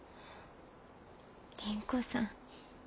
倫子さん。